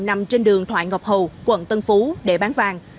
nằm trên đường thoại ngọc hầu quận tân phú để bán vàng